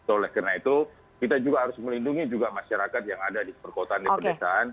oleh karena itu kita juga harus melindungi juga masyarakat yang ada di perkotaan di pedesaan